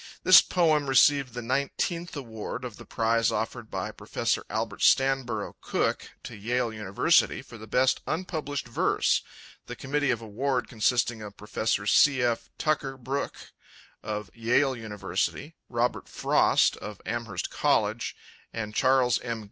This poem received the nineteenth award of the prize offered by Professor Albert Stanburrough Cook to Yale University for the best unpublished verse, the Committee of Award consisting of Professors C. F. Tucker Brooke, of Yale University, Robert Frost, of Amherst College, and Charles M.